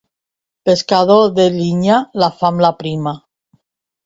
Pescador de llinya, la fam l'aprima.